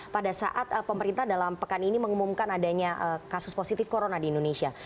pada saat pemerintah dalam pekan ini mengumumkan adanya kasus positif corona di indonesia